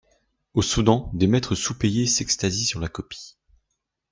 Au Soudan, des maîtres sous-payés s'extasient sur la copie.